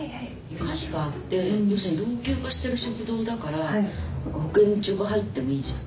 火事があって要するに老朽化してる食堂だから保健所が入ってもいいじゃない。